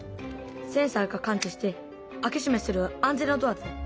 センサーが感知して開け閉めする安全なドアだよ。